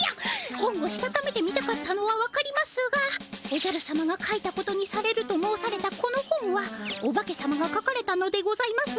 本をしたためてみたかったのはわかりますがおじゃる様がかいたことにされると申されたこの本はオバケ様がかかれたのでございます